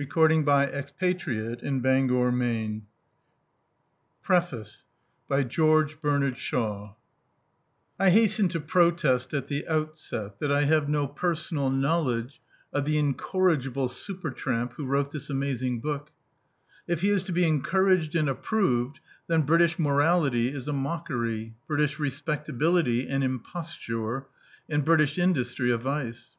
db, Google NOV 6 1917 Preface by Bernard Shaw D,i.,.db, Google D,i.,.db, Google PREFACE 1 HASTEN to protest at the outset that I have no personal knowledge of the incorrigible Super tramp who wrote this amazing booL If he is to be encouraged and approved, then British morally is a mockery, British req>ectability an imposture, and British industry a vice.